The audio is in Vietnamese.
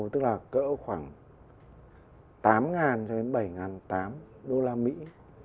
tức là cỡ khoảng tám bảy tám trăm linh usd một bit